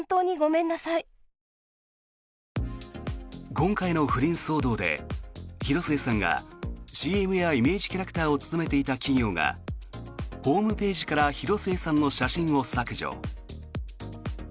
今回の不倫騒動で広末さんがＣＭや、イメージキャラクターを務めていた企業がホームページから広末さんの写真を削除。